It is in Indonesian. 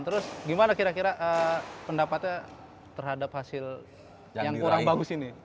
terus gimana kira kira pendapatnya terhadap hasil yang kurang bagus ini